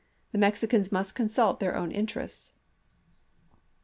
The Mexicans must consult their own interests."